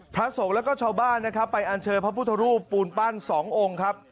พระสงฆ์แล้วก็ชาวบ้านนะครับไปอันเชิญพระพุทธรูปปูนปั้นสององค์ครับ